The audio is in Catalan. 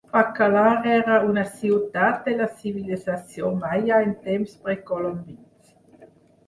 Bacalar era una ciutat de la civilització Maya en temps precolombins.